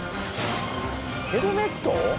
ヘルメット？